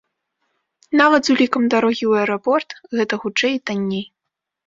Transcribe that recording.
Нават з улікам дарогі ў аэрапорт гэта хутчэй і танней!